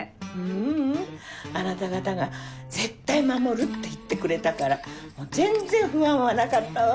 ううんあなた方が絶対守るって言ってくれたから全然不安はなかったわ。